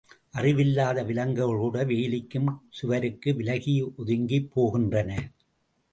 அறிவில்லாத விலங்குகள்கூட வேலிக்கும் சுவருக்கும் விலகி ஒதுங்கிப் போகின்றன.